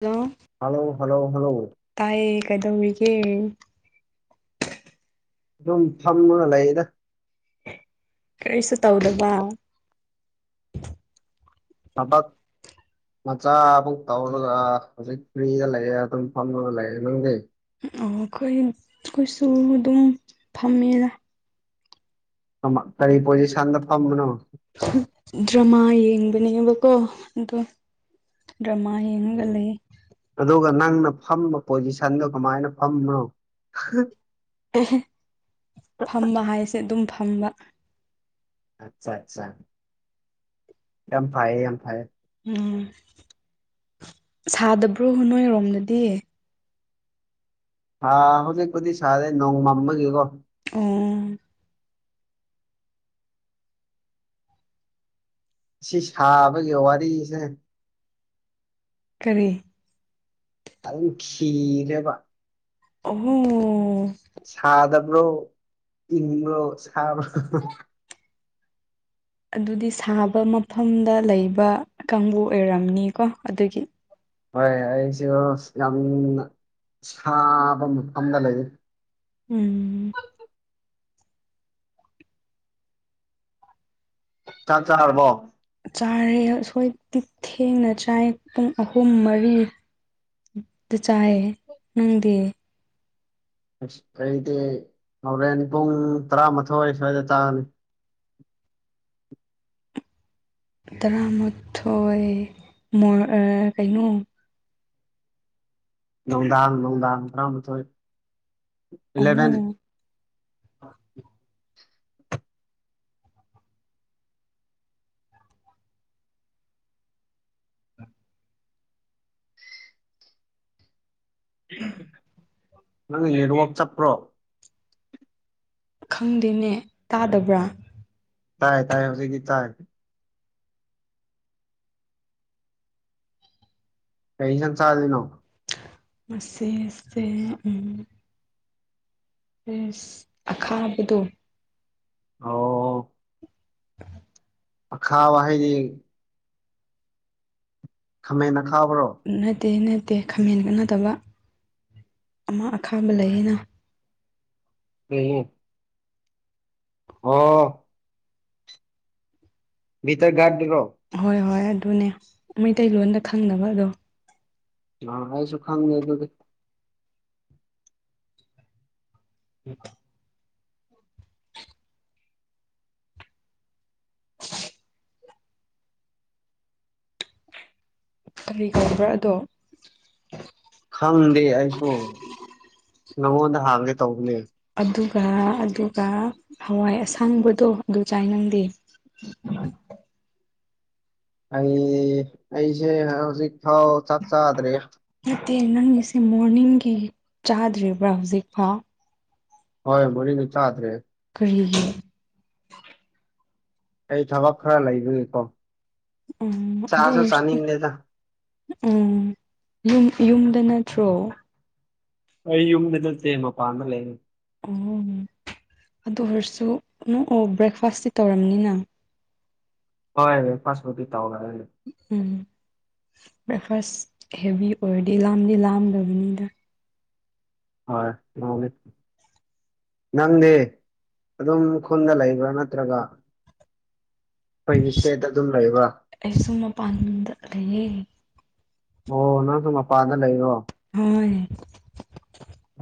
Hello hello hello hello ꯇꯥꯏꯌꯦ ꯀꯩꯗꯧꯔꯤꯒꯦ ꯗꯨꯝ ꯐꯝꯃꯒ ꯂꯩꯗ ꯀꯔꯤꯁꯨ ꯇꯧꯗꯕ ꯊꯕꯛ ꯃꯆꯥ ꯑꯃꯨꯛ ꯇꯧꯔꯒ ꯍꯧꯖꯤꯛ ꯐ꯭ꯔꯤꯗ ꯂꯩꯌꯦ ꯑꯗꯨꯝ ꯐꯝꯃꯒ ꯂꯩꯌꯦ ꯅꯪꯗꯤ ꯑꯣ ꯈꯣꯏ ꯈꯣꯏꯁꯨ ꯗꯨꯝ ꯐꯝꯃꯦꯗ ꯃ ꯀꯔꯤ ꯄꯣꯖꯤꯁꯟꯗ ꯐꯝꯕꯅꯣ ꯗ꯭ꯔꯃꯥ ꯌꯦꯡꯕꯅꯦꯕꯀꯣ ꯑꯗꯣ ꯗ꯭ꯔꯃꯥ ꯌꯦꯡꯉꯒ ꯂꯩꯌꯦ ꯑꯗꯨꯒ ꯅꯪꯅ ꯐꯝꯕ ꯄꯣꯖꯤꯁꯟꯗꯣ ꯀꯃꯥꯏꯅ ꯐꯝꯕꯅꯣ ꯑꯦꯍꯦ ꯐꯝꯕ ꯍꯥꯏꯁꯦ ꯑꯗꯨꯝ ꯐꯝꯕ ꯑꯠꯆꯥ ꯑꯠꯆꯥ ꯌꯥꯝ ꯐꯩꯌꯦ ꯌꯥꯝ ꯐꯩꯌꯦ ꯎꯝ ꯁꯥꯗꯕ꯭ꯔꯣ ꯅꯣꯏꯔꯣꯝꯗꯗꯤ ꯍꯥꯥ ꯍꯧꯖꯤꯛꯄꯨꯗꯤ ꯁꯥꯗꯦ ꯅꯣꯡꯃꯝꯕꯒꯤꯀꯣ ꯑꯣ ꯁꯤ ꯁꯥꯕꯒꯤ ꯋꯥꯔꯤꯖꯦ ꯀꯔꯤ ꯑꯩ ꯈꯤꯔꯦꯕ ꯑꯣꯍꯣ ꯁꯥꯗꯕ꯭ꯔꯣ ꯏꯪꯕ꯭ꯔꯣ ꯁꯥꯕ ꯍꯥ ꯍꯥ ꯑꯗꯨꯗꯤ ꯁꯥꯕ ꯃꯐꯝꯗ ꯂꯩꯕ ꯀꯥꯡꯕꯨ ꯑꯣꯏꯔꯝꯅꯤꯀꯣ ꯑꯗꯨꯒꯤ꯫ ꯍꯣꯏ ꯑꯩꯁꯨ ꯌꯥꯝꯅ ꯁꯥꯕ ꯃꯐꯝꯗ ꯂꯩꯌꯦ꯫ ꯎꯝ ꯆꯥꯛ ꯆꯥꯔꯕꯣ? ꯆꯥꯔꯦ ꯑꯁꯣꯏꯇꯤ ꯊꯦꯡꯅ ꯆꯥꯏ ꯄꯨꯡ ꯑꯍꯨꯝ ꯃꯔꯤ꯫ ꯗ ꯆꯥꯏꯌꯦ꯫ ꯅꯪꯗꯤ? ꯑꯁ ꯑꯩꯗꯤ ꯍꯧꯔꯦꯟ ꯄꯨꯡ ꯇꯔꯥꯃꯥꯊꯣꯏ ꯁ꯭ꯋꯥꯏꯗ ꯆꯥꯅꯤ꯫ ꯇꯔꯥꯃꯥꯊꯣꯏ ꯃꯣꯔ ꯑ ꯀꯩꯅꯣ꯫ ꯅꯨꯡꯗꯥꯡ ꯅꯨꯡꯗꯥꯡ ꯇꯔꯥꯃꯥꯊꯣꯏ ꯑꯣ ꯏꯂꯚꯦꯟ꯫ ꯅꯪ ꯅꯦꯠꯋꯣꯛ ꯆꯞꯄ꯭ꯔꯣ? ꯈꯪꯗꯦꯅꯦ꯫ ꯇꯥꯗꯕ꯭ꯔꯥ? ꯇꯥꯏ ꯇꯥꯏ ꯍꯧꯖꯤꯛꯇꯤ ꯇꯥꯏ꯫ ꯀꯩ ꯏꯟꯖꯥꯡ ꯆꯥꯔꯤꯅꯣ? ꯉꯁꯤꯁꯦ ꯎꯝ꯫ ꯑꯦꯁ ꯑꯈꯥꯕꯗꯣ, ꯑꯣ꯫ ꯑꯈꯥꯕ ꯍꯥꯏꯗꯤ, ꯈꯥꯃꯦꯟ ꯑꯈꯥꯕꯔꯣ? ꯅꯠꯇꯦ ꯅꯠꯇꯦ ꯈꯥꯃꯦꯟ ꯅꯠꯇꯕ ꯑꯃ ꯑꯈꯥꯕ ꯂꯩꯌꯦꯅ꯫ ꯂꯩꯌꯦ꯫ ꯑꯣ꯫ ꯕꯤꯇꯔꯒꯥꯔꯠ ꯇꯨꯔꯣ? ꯍꯣꯏ ꯍꯣꯏ ꯑꯗꯨꯅꯦ ꯃꯤꯇꯩꯂꯣꯟꯗ ꯈꯪꯗꯕ ꯑꯗꯣ꯫ ꯑ ꯑꯩꯁꯨꯨ ꯈꯪꯗꯦ ꯑꯗꯨꯗꯤ꯫ ꯎꯝ ꯀꯔꯤ ꯀꯧꯕ꯭ꯔꯥ ꯑꯗꯣ? ꯈꯪꯗꯦ ꯑꯩꯁꯨ ꯅꯉꯣꯟꯗ ꯍꯥꯡꯒꯦ ꯇꯧꯕꯅꯦ꯫ ꯑꯗꯨꯒ ꯑꯗꯨꯒ ꯍꯋꯥꯏ ꯑꯁꯥꯡꯕꯗꯣ ꯑꯗꯨ ꯆꯥꯏ꯫ ꯅꯪꯗꯤ? [inaudible] ꯑꯩ ꯑꯩꯖꯦ ꯍꯧꯖꯤꯛ ꯐꯥꯎ ꯆꯥꯛ ꯆꯥꯗ꯭ꯔꯤꯌꯦ꯫ ꯅꯠꯇꯦ ꯅꯪꯒꯤꯁꯦ ꯃꯣꯔꯅꯤꯡꯒꯤ ꯆꯥꯗ꯭ꯔꯤꯕ꯭ꯔꯥ ꯍꯧꯖꯤꯛ ꯐꯥꯎ? ꯍꯣꯏ ꯃꯣꯔꯅꯤꯡꯒꯤ ꯆꯥꯗ꯭ꯔꯤ꯫ ꯀꯔꯤꯒꯤ? ꯑꯩ ꯊꯕꯛ ꯈꯔ ꯂꯩꯕꯒꯤꯀꯣ ꯎꯝ ꯑꯗꯨ ꯆꯥꯁꯨ ꯑꯣꯏꯔꯁꯨ ꯆꯥꯅꯤꯡꯗꯦꯗ꯫ ꯎꯝ ꯌꯨꯝ ꯌꯨꯝꯗ ꯅꯠꯇ꯭ꯔꯣ? ꯑꯩ ꯌꯨꯝꯗ ꯅꯠꯇꯦ ꯃꯄꯥꯟꯗ ꯂꯩ꯫ ꯑꯣ ꯑꯗꯨ ꯑꯣꯏꯔꯁꯨ ꯅꯣꯛ ꯑꯣ ꯕ꯭ꯔꯦꯛꯐꯥꯁꯇꯤ ꯇꯧꯔꯝꯅꯤꯅ꯫ ꯍꯣꯏ ꯕ꯭ꯔꯦꯛꯐꯥꯁ ꯄꯨꯗꯤ ꯇꯧꯔꯛꯑꯦ꯫ ꯎꯝ ꯕ꯭ꯔꯦꯛꯐꯥꯁ ꯍꯦꯚꯤ ꯑꯣꯏꯔꯗꯤ ꯂꯥꯝꯗꯤ ꯂꯥꯝꯗꯕꯅꯤꯗ꯫ ꯍꯣꯏ ꯂꯥꯝꯃꯦ꯫ ꯅꯪꯗꯤ ꯑꯗꯨꯝ ꯈꯨꯟꯗ ꯂꯩꯕ꯭ꯔꯥ ꯅꯠꯇ꯭ꯔꯒ, ꯈꯣꯏꯅꯤ ꯁ꯭ꯇꯦꯗ ꯑꯗꯨꯝ ꯂꯩꯕ꯫ ꯑꯩꯁꯨꯨ ꯃꯄꯥꯟꯗ ꯂꯩꯌꯦ꯫ ꯑꯣ ꯅꯪꯁꯨ ꯃꯄꯥꯟꯗ ꯂꯩꯔꯣ? ꯍꯣꯏ꯫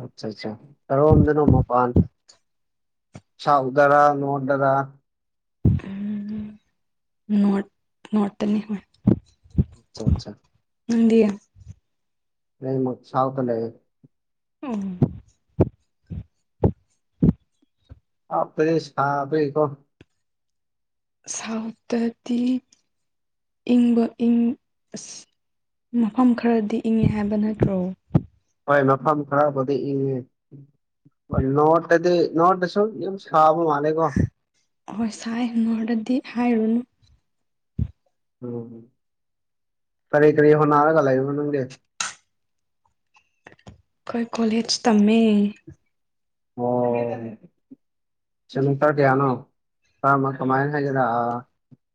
ꯑꯆꯆꯥ ꯀꯔꯣꯝꯗꯅꯣ ꯃꯄꯥꯥꯟ ꯁꯥꯎꯗꯔ ꯅꯣꯔꯗꯔ [unintelligible] ꯅꯣꯔꯠ ꯅꯣꯔꯠꯇꯅꯤ ꯍꫭꯏ ꯑꯆꯥ ꯑꯆꯥ ꯅꯪꯗꯤ ꯑꯩꯃꯨꯠ ꯁꯥꯎꯠꯇ ꯂꯩꯌ‌ꯦ [unintelligible] ꯁꯥꯎꯠ ꯇꯥꯗꯤ ꯁꯥꯕꯒꯤꯀꫭ ꯁꯥꯎꯠꯇꯗꯤ ꯏꯪꯕ ꯏꯪ ꯑꯁ ꯃꯐꯝ ꯈꯔꯗꯤ ꯏꯪꯉꯦ ꯍꯥꯏꯕ ꯅꯠꯇ꯭ꯔꯣ ꯍꯣꯏ ꯃꯐꯝ ꯈꯔꯥꯕꯨꯗꯤ ꯏꯪꯉꯦ ꯅꫭꯕꯠꯇꯗꯤ ꯅꯣꯔꯠꯇꯁꯨ ꯌꯥꯝ ꯁꯥꯕ ꯃꯥꯜꯂ‌ꯦꯀꯣ ꯍꯣꯏ ꯁꯥꯏ ꯅꯣꯔꯠꯗꯗꯤ ꯍꯥꯏꯔꯨꯅꯨ ꯎꯝ ꯀꯔꯤ ꯀꯔꯤ ꯍꯣꯠꯅꯔꯒ ꯂꯩꯕ꯭ꯔ ꯅꯪꯒꯤ ꯑꯈꯣꯏ ꯀꯣꯂꯦꯠꯖ ꯇꯝꯃ‌ꯦ ꯑꯣ ꯁꯦꯃꯤꯁꯇꯔ ꯀ꯭ꯌꯥꯅꯣ [unintelligible] ꯀꯃꯥꯏꯟ ꯍꯥꯏꯖꯤꯔꯥ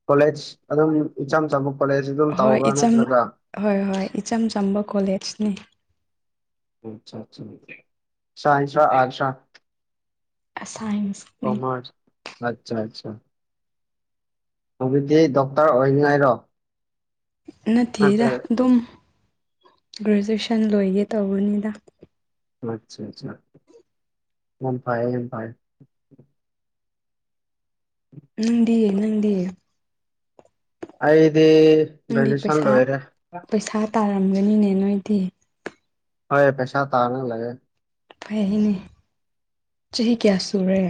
ꯀꯣꯂꯦꯠꯖ ꯑꯗꯨꯝ ꯏꯆꯝ ꯆꯝꯕ ꯀꯣꯂꯦꯖ ꯑꯗꯨꯝ ꯍꯣꯏ ꯇꯧꯕ꯭ꯔꯥ ꯏꯆꯝ ꯅꯠꯇ꯭ꯔꯒ ꯍꯣꯏ ꯍꯣꯏ ꯏꯆꯝ ꯆꯝꯕ ꯀꯣꯂꯦꯠꯖꯅꯤ [unintelligible] ꯁꯥꯟꯢꯁꯔ ꯑꯥꯔꯠꯁꯔꯥ ꯑꯁꯥꯏꯟ ꯀꯃꯔꯁ ꯑꯠꯆꯥ ꯑꯠꯆꯥ ꯍꯧꯖꯤꯛꯗꯤ ꯗꯣꯛꯇꯔ ꯑꯣꯏꯅꯤꯉꯥꯏꯔꯣ ꯅꯠꯇꯦꯗ ꯑꯗꯨꯝ ꯒ꯭ꯔꯦꯖꯨꯑꯦꯁꯟ ꯂꯣꯏꯒꯦ ꯇꯧꯕꯅꯤꯗ ꯑꯠꯆꯥ ꯆꯥ ꯌꯥꯝ ꯐꯥꯢꯌꯦ ꯌꯥꯝ ꯐꯥꯢꯌꯦ ꯅꯪꯗꯤ ꯅꯪꯗꯤ ꯑꯩꯗꯤ ꯅꯪꯗꯤ ꯒ꯭ꯔꯦꯖꯨꯌꯦꯁꯟ ꯄꯩꯁꯥ ꯂꯣꯏꯔꯦ ꯄꯩꯁꯥ ꯇꯥꯔꯝꯒꯅꯤꯅꯦ ꯅꯣꯏꯗꯤ ꯍꯣꯏ ꯄꯩꯁꯥ ꯇꯥꯜꯂꯒ ꯂꯩꯌ‌ꯦ ꯐꯩꯅꯦ ꯆꯍꯤ ꯀ꯭ꯌꯥ ꯁꯨꯔꯦ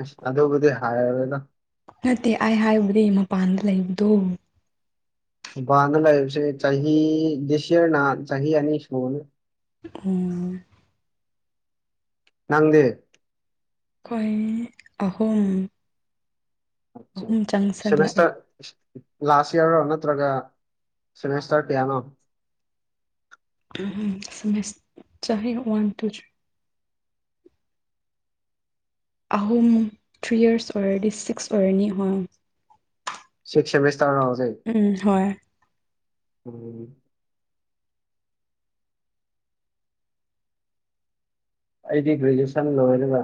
ꯑꯁ ꯑꯗꯨꯕꯨꯗꯤ ꯍꯥꯏꯔꯔꫭꯢꯗ ꯅꯠꯇꯦ ꯑꯩ ꯍꯥꯏꯕꯗꯤ ꯃꯄꯥꯟꯗ ꯂꯩꯕꯗꯨ ꯃꯥꯄꯥꯟꯗ ꯂꯩꯕꯁꯝ ꯆꯍꯤ ꯗꯤꯁ ꯌꯔꯅ ꯆꯍꯤ ꯑꯅꯤ ꯁꯨꯕꯅ‌ꯤ ꯑꯣ ꯅꯪꯗꯤ ꯑꯈꯣꯏ ꯑꯍꯨꯝ ꯑꯠꯆꯥ ꯑꯍꯨꯝ ꯆꯪꯁꯜꯂꯛꯑꯦ ꯁꯦꯃꯤꯁꯇꯔ [unintelligible] ꯂꯥꯁ ꯏꯌꯔꯔꯣ ꯅꯠꯇ꯭ꯔꯒ ꯁꯦꯃꯤꯁꯇꯔ ꯀ꯭ꯌꯥꯅꯣ [unintelligible] ꯁꯤꯃꯤꯁ ꯆꯍꯤ ꯋꯥꯟ ꯇꯨ ꯊ꯭ꯔꯤ ꯑꯍꯨꯝ ꯊ꯭ꯔꯤ ꯏꯌꯔꯁ ꯑꯣꯏꯔꯗꯤ ꯁꯤꯛꯁ ꯑꯣꯏꯔꯅꯤ ꯍꯣꯏ ꯁꯤꯛ ꯁ‌ꯦꯃꯤꯁꯇꯔꯔꫭ ꯍꯧꯖꯤꯛ ꯎꯝ ꯍꯣꯏ ꯎꯝ ꯑꯩꯗꯤ ꯒ꯭ꯔꯦꯖꯨꯑꯦꯁꯟ ꯂꯣꯏꯔꯒ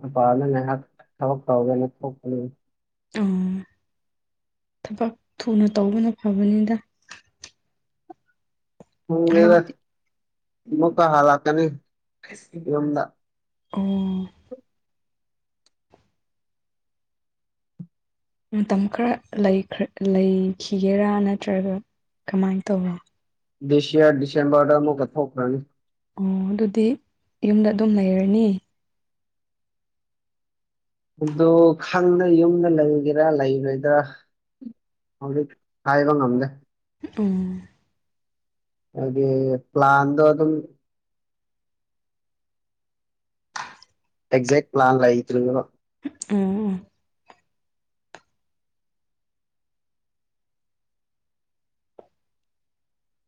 ꯃꯄꯥꯟꯗ ꯉꯥꯏꯍꯥꯛ ꯊꯕꯛ ꯇꯧꯒꯦꯅ ꯊꯣꯛꯄꯅꯤ ꯑꯝ ꯊꯕꯛ ꯊꯨꯅ ꯇꯧꯕꯅ ꯐꯕꯅꯤꯗꯥ ꯊꯣꯡꯗ‌ꯦꯗꯥ ꯍꯥꯏꯕꯗꯤ ꯑꯃꯨꯛꯀꯥ ꯍꯂꯛꯀꯥꯅꯤ ꯌꯨꯝꯗꯥ ꯑꫭ ꯃꯇꯝ ꯈꯔ ꯂꯩꯈ꯭ꯔꯥ ꯂꯩꯈꯤꯒꯦꯔꯥ ꯅꯠꯇ꯭ꯔꯥꯒ ꯀꯃꯥꯏꯟ ꯇꯧꯔꯥ ꯗꯤꯁ ꯌꯥꯔ ꯗꯤꯁꯦꯝꯕꯔꯗꯥ ꯑꯃꯨꯛꯀꯥ ꯊꯣꯛꯈ꯭ꯔꯥꯅꯤ ꯑꯣ ꯑꯗꯨꯗꯤ ꯌꯨꯝꯗꯥ ꯑꯗꯨꯝ ꯂꯩꯔꯅꯤ ꯑꯗꯣ ꯈꯪꯗ‌ꯦ ꯌꯨꯝꯗꯥ ꯂꯩꯒꯦꯔꯥ ꯂꯩꯔꯣꯏꯗ꯭ꯔꯥ ꯍꯧꯖꯤꯛ ꯍꯥꯏꯕ ꯉꯝꯗꯦ ꯎꯝ ꯍꯥꯏꯗꯤ ꯄ꯭ꯂꯥꯟꯗꯣ ꯑꯗꯨꯝ ꯑꯦꯛꯖꯦꯛ ꯄ꯭ꯂꯥꯟ ꯂꯩꯥꯇ꯭ꯔꯤꯕ ꯎꯝ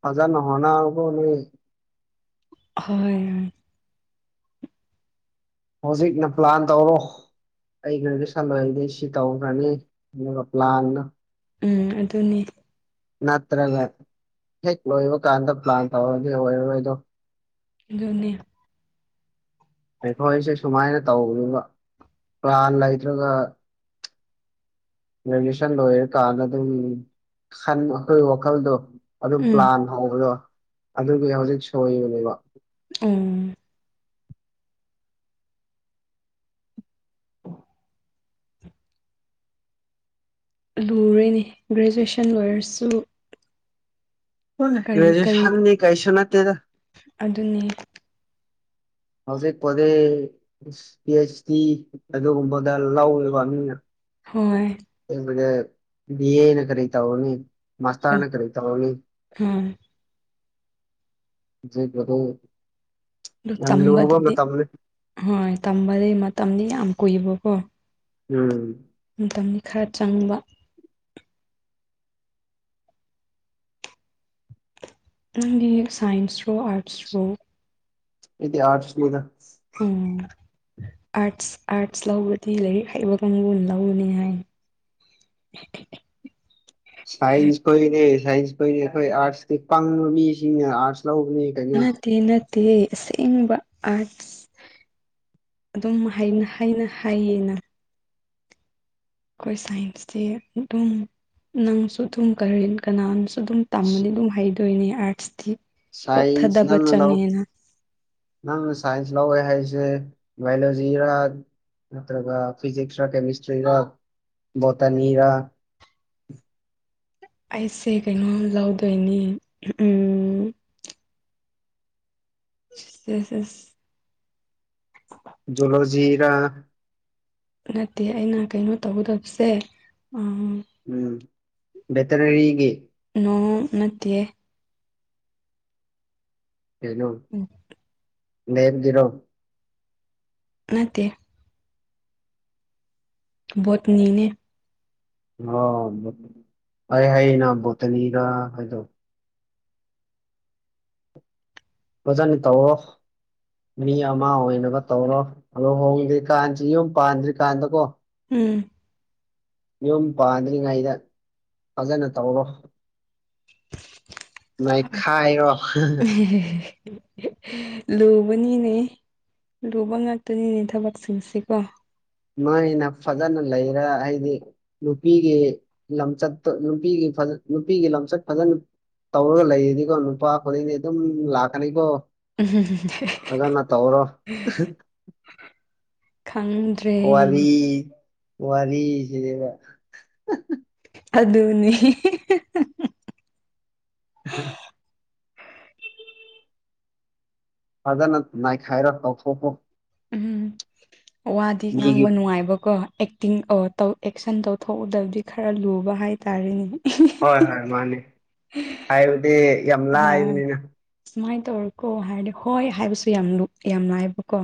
ꯐꯖꯥꯅ ꯍꯣꯠꯅꯥꯎꯀꯣ ꯅꯣꯏ ꯑꯍꯣꯏ ꯍꯧꯖꯤꯛꯅ ꯄ꯭ꯂꯥꯟ ꯇꯧꯔꯣ ꯑꯩ ꯒ꯭ꯔꯦꯖꯨꯁꯟ ꯂꯣꯏꯔꯗꯤ ꯁꯤ ꯇꯧꯈ꯭ꯔꯥꯅꯤ ꯑꯗꯨꯒꯥ ꯄ꯭ꯂꯥꯟꯗꯣ ꯎꯝ ꯑꯗꯨꯅꯤ ꯅꯠꯇ꯭ꯔꯥꯒ ꯍꯦꯛ ꯂꯣꯏꯕ ꯀꯥꯟꯗ ꯄ꯭ꯂꯥꯟ ꯇꯧꯔꯗꯤ ꯑꯣꯏꯔꯔꯣꯏꯗꯣ ꯑꯗꯨꯅꯦ ꯑꯩꯈꯣꯏꯁꯦ ꯁꯨꯃꯥꯏꯅ ꯇꯧꯗꯨꯕ ꯄ꯭ꯂꯥꯟ ꯂꯩꯇ꯭ꯔꯥꯒ ꯒ꯭ꯔꯦꯖꯦꯁꯟ ꯂꯣꯏꯔꯀꯥꯟꯗꯥ ꯑꯗꯨꯝ ꯈꯟ ꯑꯈꯣꯏ ꯋꯥꯈꯜꯗꯣ ꯑꯗꯨ ꯎꯝ ꯄ꯭ꯂꯥꯟ ꯍꯧꯕꯗꯣ ꯑꯗꯨꯒꯤ ꯍꯧꯖꯤꯛ ꯁꯣꯏꯕꯅꯦꯕ ꯎꯝ ꯂꯨꯔꯦꯅꯤ ꯒ꯭ꯔꯦꯖꯨꯋꯦꯁꯟ ꯂꯣꯏꯔꯁꯨ ꯍꯣꯏ ꯀꯔꯤ ꯀꯔꯤ ꯒ꯭ꯔꯦꯖꯦꯁꯟ ꯗꯤ ꯀꯥꯏꯁꯨ ꯅꯠꯇꯦꯗꯥ ꯑꯗꯨꯅꯤ ꯍꯧꯖꯤꯛꯄꯣꯗꯤ ꯄꯤ ꯑꯩꯆ ꯗꯤ ꯑꯗꯨꯒꯨꯝꯕꯗ ꯂꯧꯋꯦꯕ ꯃꯤꯅ ꯍꯣꯏ [unintelligible] ꯕꯤ ꯑꯦꯅ ꯀꯔꯤ ꯇꯧꯔꯅꯤ ꯃꯥꯁꯇꯔꯅ ꯀꯔꯤ ꯇꯧꯔꯅꯤ ꯍꯣꯏ [unintelligible] ꯑꯗꯨ ꯌꯥꯝ ꯂꯨꯕ ꯇꯝꯕꯗꯗꯤ ꯃꯇꯝꯅꯤ ꯍꯣꯏ ꯇꯝꯕꯗꯤ ꯃꯇꯝꯗꯤ ꯌꯥꯝ ꯀꯨꯏꯕꯀꯣ ꯎꯝ ꯃꯇꯝꯗꯤ ꯈꯔ ꯆꯪꯕ ꯅꯪꯒꯤ ꯁꯥꯏꯟꯁ꯭ꯔꯣ ꯑꯥꯔꯠꯁ꯭ꯔꯣ ꯑꯩꯗꯤ ꯑꯔꯠꯁ ꯅꯤꯗꯥ ꯎꯝ ꯑꯥꯔꯠꯁ ꯑꯥꯔꯠꯁ ꯂꯧꯕꯗꯤ ꯂꯥꯏꯔꯤꯛ ꯍꯩꯕ ꯀꯥꯡꯕꯨꯅ ꯂꯧꯕꯅꯤ ꯍꯥꯏ [inaudible] ꯁꯥꯏꯟꯁ ꯈꯣꯏꯅꯦ ꯁꯥꯏꯟꯁ ꯈꯣꯏꯅꯦ ꯑꯈꯣꯏ ꯑꯥꯔꯠꯁꯀꯤ ꯄꯪꯕ ꯃꯤꯁꯤꯡꯅ ꯑꯥꯔꯠꯁ ꯂꯧꯕꯅꯦ ꯅꯠꯇꯦ ꯅꯠꯇꯦ ꯑꯁꯦꯡꯕ ꯑꯥꯔꯠꯁ ꯑꯗꯨꯝ ꯍꯥꯏꯅ ꯍꯩꯅ ꯍꯥꯏꯌꯦꯅ ꯈꯣꯏ ꯁꯥꯏꯟꯁꯇꯤ ꯎ ꯗꯨꯝ ꯅꯪꯁꯨ ꯑꯗꯨꯝ ꯀꯔꯦꯟ ꯀꯅꯥꯅꯁꯨ ꯑꯗꯨꯝ ꯇꯝꯃꯗꯤ ꯑꯗꯨꯝ ꯍꯩꯗꯣꯏꯅꯦ ꯑꯥꯔꯠꯁꯇꯤ ꯀꯣꯛ ꯁꯥꯏꯟꯁ ꯊꯗꯕ ꯅꯪꯅ ꯂꯧ ꯆꯪꯉꯦꯅ ꯅꯪꯅ ꯁꯥꯏꯟꯁ ꯂꯧꯋꯦ ꯍꯥꯏꯁꯦ ꯕꯥꯏꯑꯣꯂꯣꯖꯤꯔꯥ ꯅꯠꯇ꯭ꯔꯒ ꯐꯤꯁꯤꯛꯁ ꯔ ꯀꯦꯃꯤꯁꯇ꯭ꯔꯤ ꯅꯠꯇ꯭ꯔꯥꯒ ꯔꯣꯇꯅꯤ ꯔ ꯑꯩꯁꯦ ꯀꯩꯅꯣ ꯂꯧꯗꯣꯏꯅꯤ ꯎꯝ [unintelligible] ꯖꯨꯂꯣꯖꯤꯔ ꯅꯠꯇꯦ ꯑꯩꯅ ꯀꯩꯅꯣ ꯇꯧꯒꯗꯕꯁꯦ ꯑꯥ ꯎꯝ ꯕꯦꯇꯅꯔꯤꯒꯤ ꯅꯣ ꯅꯠꯇꯤꯌꯦ ꯀꯩꯅꯣ ꯎꯝ [unintelligible] ꯅꯠꯇꯦ ꯕꯣꯠꯅꯤꯅꯦ ꯑꯣ ꯕꯣꯠꯅꯤ ꯑꯩꯅ ꯕꯣꯠꯇꯅꯤꯔ ꯍꯥꯏꯗꯣ ꯐꯥꯖꯅ ꯇꯧꯑꯣ ꯃꯤ ꯑꯃ ꯑꯣꯏꯅꯕ ꯇꯧꯔꯣ ꯂꯣꯍꯣꯡꯗ꯭ꯔꯤ ꯀꯥꯟꯁꯤ ꯌꯨꯝ ꯄꯥꯟꯗ꯭ꯔꯤꯀꯥꯟꯗꯀꯣ ꯎꯝ ꯌꯨꯝ ꯄꯥꯟꯗ꯭ꯔꯤꯉꯩꯗ ꯐꯖꯅ ꯇꯧꯔꯣ ꯅꯩꯈꯥꯏꯔꯣ ꯍꯦ ꯍꯦ ꯂꯨꯕꯅꯤꯅꯦ ꯂꯨꯕ ꯉꯥꯛꯇꯅꯤꯅꯦ ꯊꯕꯛꯁꯤꯡꯁꯦꯀꯣ ꯅꯣꯏꯅꯥ ꯐꯖꯅ ꯂꯩꯔ ꯑꯩꯗꯤ ꯅꯨꯄꯤꯒꯤ ꯂꯝꯆꯠꯇ ꯅꯨꯄꯤꯒꯤ ꯐꯖ ꯅꯨꯄꯤꯒꯤ ꯂꯝꯆꯠ ꯐꯖꯅ ꯇꯧꯔꯒ ꯂꯩꯔꯗꯤꯀꯣ ꯅꯨꯄꯥ ꯈꯨꯗꯤꯡꯗꯤ ꯑꯗꯨꯝ ꯂꯥꯛꯀꯅꯤꯀꯣ ꯐꯖꯅꯥ ꯇꯧꯔꯣ ꯈꯪ ꯋꯥꯔꯤ ꯋꯥꯔꯤꯁꯤꯗꯤꯕ ꯑꯗꯨꯅꯤ [unintelligible] ꯐꯖꯅ ꯅꯥꯏꯈꯥꯏꯔꯣ ꯇꯧꯊꯣꯛꯈꯔꯣ ꯎꯝ ꯋꯥꯗꯤ ꯃꯤꯒꯤ ꯉꯥꯡꯕ ꯅꯨꯡꯉꯥꯏꯕꯀꯣ ꯑꯦꯛ ꯇꯤꯡ ꯑꯣ ꯇꯧ ꯑꯦꯛꯁꯟ ꯇꯧꯊꯣꯛꯎꯗꯕꯗꯤ ꯈꯔ ꯂꯨꯕ ꯍꯥꯏꯇꯥꯔꯦꯅꯦ ꯍꯣꯏ ꯍꯣꯏ ꯃꯅꯤ ꯍꯥꯏꯕꯗꯤ ꯌꯥꯝ ꯑ ꯂꯥꯏꯕꯅꯤꯅ ꯁꯨꯃꯥꯏꯅ ꯇꯧꯔꯣꯀꯣ ꯍꯥꯏꯔꯗꯤ ꯍꯣꯏ ꯍꯥꯏꯕꯁꯨ ꯌꯥꯝ ꯂꯨ ꯌꯥꯝ ꯂꯥꯏꯕꯥꯀꯣ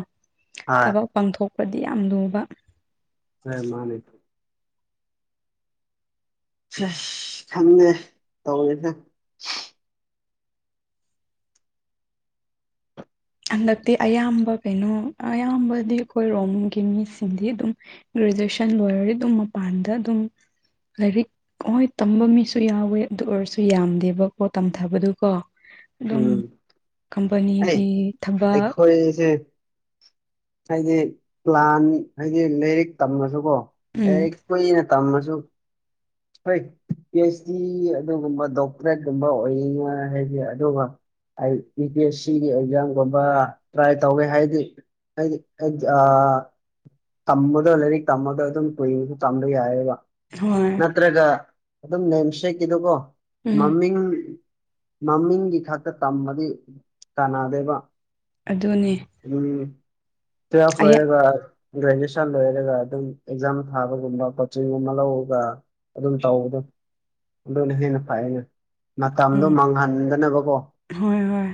ꯍꯣꯏ ꯊꯕꯛ ꯄꯥꯡꯊꯣꯛꯄꯗꯤ ꯌꯥꯝ ꯂꯨꯕ ꯍꯣꯏ ꯃꯥꯅꯤ ꯑꯁ ꯈꯪꯗꯦ ꯇꯧꯔꯤꯁꯦ ꯍꯟꯗꯛꯇꯤ ꯑꯌꯥꯝꯕ ꯀꯩꯅꯣ ꯑꯌꯥꯝꯕꯗꯤ ꯑꯩꯈꯣꯏ ꯔꯣꯝꯒꯤ ꯃꯤꯁꯤꯡꯗꯤ ꯑꯗꯨꯝ ꯒ꯭ꯔꯦꯖꯨꯑꯦꯁꯟ ꯂꯣꯏꯔꯗꯤ ꯑꯗꯨꯝ ꯃꯄꯥꯟꯗ ꯑꯗꯨꯝ ꯂꯥꯏꯔꯤꯛ ꯍꯣꯏ ꯇꯝꯕ ꯃꯤꯁꯨ ꯌꯥꯎꯋꯦ ꯑꯗꯨ ꯑꯣꯏꯔꯁꯨ ꯌꯥꯝꯗꯦꯕꯀꯣ ꯇꯝꯊꯕꯗꯨꯀꯣ ꯑꯗꯨꯝ ꯎꯝ ꯑꯩ ꯀꯝꯄꯅꯤꯒꯤ ꯊꯕꯛ ꯑꯩꯈꯣꯏꯁꯦ ꯍꯥꯏꯗꯤ ꯄ꯭ꯂꯥꯟ ꯍꯥꯏꯗꯤ ꯂꯥꯏꯔꯤꯛ ꯇꯝꯃꯁꯨꯀꯣ ꯎꯝ ꯂꯥꯏꯔꯤꯛ ꯀꯨꯏꯅ ꯇꯝꯃꯁꯨ ꯍꯣꯏ ꯄꯤ ꯑꯩꯆ ꯗꯤ ꯑꯗꯨꯒꯨꯝꯕ ꯗꯣꯛꯇꯔꯦꯠꯀꯨꯝꯕ ꯑꯣꯏꯅꯤꯉꯤꯏ ꯍꯥꯏꯗꯤ ꯑꯗꯨꯒ ꯑꯩ ꯌꯨ ꯄꯤ ꯑꯦꯁ ꯁꯤꯒꯤ ꯑꯦꯛꯖꯥꯝꯒꯨꯝꯕ ꯇ꯭ꯔꯥꯏ ꯇꯧꯒꯦ ꯍꯥꯏꯗꯤ ꯑꯩ ꯗꯤ ꯑꯩꯗꯤ ꯑꯥ ꯇꯝꯕꯗꯣ ꯂꯩꯔꯤꯛ ꯇꯝꯃꯒꯥ ꯑꯗꯨꯝ ꯀꯨꯏꯅꯖꯨ ꯇꯝꯕ ꯌꯥꯏꯌꯦꯕ ꯍꯣꯏ ꯅꯠꯇ꯭ꯔꯒ ꯑꯗꯨꯝ ꯅꯦꯝꯁꯦꯛꯀꯤꯗꯨꯀꯣ ꯎꯝ ꯃꯃꯤꯡ ꯃꯃꯤꯡ ꯒꯤ ꯈꯛꯇ ꯇꯝꯃꯗꯤ ꯀꯥꯟꯅꯗꯦꯕ ꯑꯗꯨꯅꯦ ꯎꯝ ꯇꯨꯌꯦꯜꯞ ꯑꯩ ꯂꯣꯏꯔꯒꯥ ꯒ꯭ꯔꯦꯖꯨꯑꯦꯁꯟ ꯂꯣꯏꯔꯒ ꯑꯗꯨꯝ ꯑꯦꯛꯖꯥꯝ ꯊꯥꯕꯒꯨꯝꯕ ꯀꯣꯆꯤꯡꯒꯨꯝꯕ ꯂꯧꯔꯒ ꯑꯗꯨꯝ ꯇꯧꯕꯗꯣ ꯑꯗꯨꯅ ꯍꯦꯟꯅ ꯐꯩꯩꯅ ꯃꯇꯝꯗꯣ ꯎꯝ ꯃꯥꯡꯍꯟꯗꯅꯕ ꯍꯣꯏ ꯍꯣꯏ